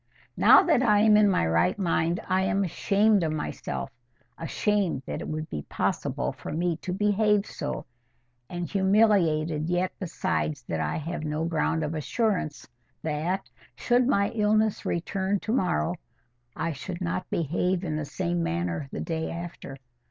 Now that I am in my right mind, I am ashamed of myself, ashamed that it should be possible for me to behave so, and humiliated yet besides that I have no ground of assurance that, should my illness return to morrow, I should not behave in the same manner the day after.